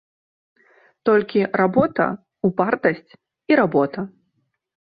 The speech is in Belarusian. Толькі работа, упартасць і работа.